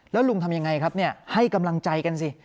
แล้วลุงทำยังไงครับให้กำลังใจกันสิ